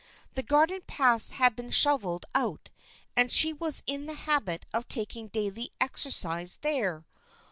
The garden paths had been shoveled out and she was in the habit of taking daily exercise there.